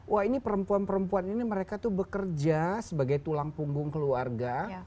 wah ini perempuan perempuan ini mereka tuh bekerja sebagai tulang punggung keluarga